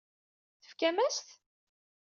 Tefkam-as-t?